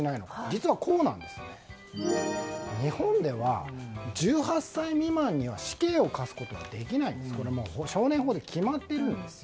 実は、日本では１８歳未満には死刑を科すことはできないと少年法で決まっているんです。